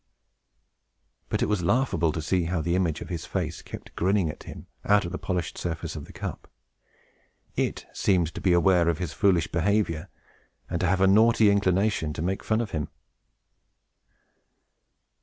But it was laughable to see how the image of his face kept grinning at him, out of the polished surface of the cup. It seemed to be aware of his foolish behavior, and to have a naughty inclination to make fun of him.